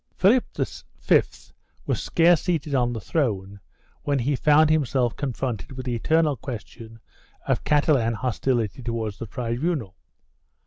2 Philip V was scarce seated on the throne when he found him self confronted with the eternal question of Catalan hostility towards the tribunal.